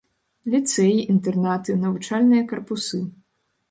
Ліцэй, інтэрнаты, навучальныя карпусы.